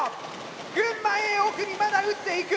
群馬Ａ奥にまだ撃っていく。